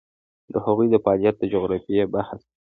د هغوی د فعالیت د جغرافیې بحث دی.